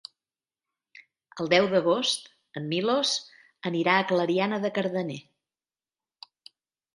El deu d'agost en Milos anirà a Clariana de Cardener.